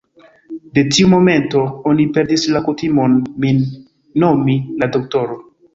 De tiu momento, oni perdis la kutimon, min nomi _la doktoro_.